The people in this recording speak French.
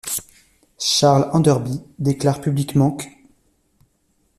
Charles Enderby déclare publiquement qu'.